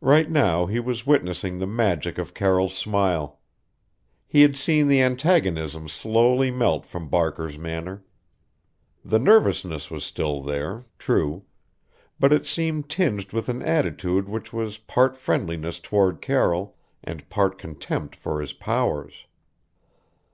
Right now he was witnessing the magic of Carroll's smile. He had seen the antagonism slowly melt from Barker's manner. The nervousness was still there, true; but it seemed tinged with an attitude which was part friendliness toward Carroll and part contempt for his powers.